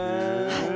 はい。